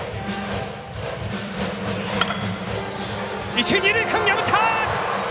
一、二塁間破った。